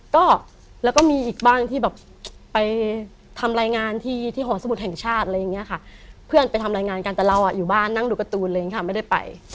ก็แล้วก็มีอีกบ้างที่แบบไปทำรายงานที่ที่หอสมุทรแห่งชาติอะไรอย่างเงี้ยค่ะเพื่อนไปทำรายงานกันแต่เราอยู่บ้านนั่งดูการ์ตูนอะไรอย่างนี้ค่ะไม่ได้ไป